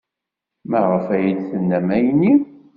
Maɣef ay d-tennam ayenni?